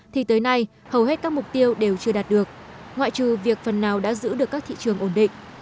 thì tới nay hầu hết các mục tiêu đều chưa đạt được ngoại trừ việc phần nào đã giữ được các thị trường ổn định